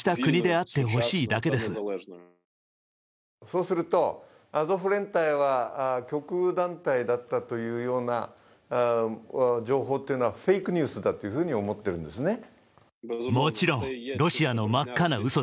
そうするとアゾフ連隊は極右団体だったというような情報はフェイクニュースだと思っているんですね。